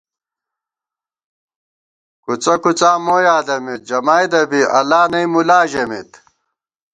کُڅہ کُڅا مو یادَمېت جمائیدہ بی اللہ نئ مُلا ژمېت